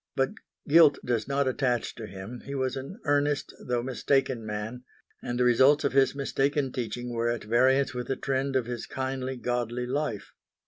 But guilt does not attach to him. He was an earnest, though mistaken man, and the results of his mistaken teaching were at variance with the trend of his kindly, godly life.